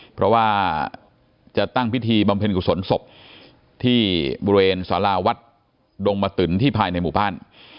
เพราะว่าจะตั้งพิธีบำเพ็ญกุศลศพที่บริเวณสาราวัดดงมะตึนที่ภายในหมู่บ้าน